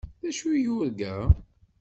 D acu i yurga?